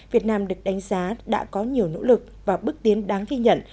việt nam được đánh giá đã có nhiều nỗ lực và bước tiến đáng ghi nhận